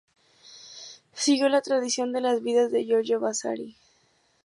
Siguió la tradición de las "Vidas" de Giorgio Vasari.